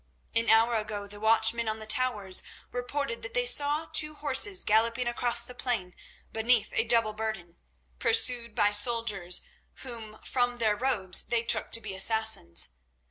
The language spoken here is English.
An hour ago the watchmen on the towers reported that they saw two horses galloping across the plain beneath a double burden, pursued by soldiers whom from their robes they took to be Assassins.